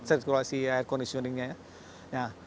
sirkulasi air conditioningnya ya